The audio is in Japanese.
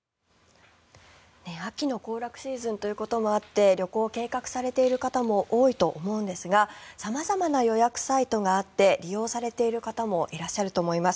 秋の行楽シーズンということもあって旅行を計画されている方も多いと思うんですが様々な予約サイトがあって利用されている方もいらっしゃると思います。